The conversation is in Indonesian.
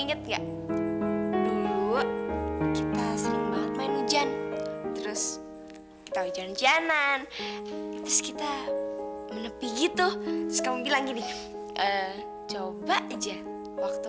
enggak nggak bingung aku yang tinggal ke satu